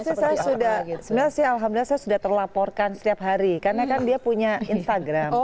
tapi saya sudah sebenarnya sih alhamdulillah saya sudah terlaporkan setiap hari karena kan dia punya instagram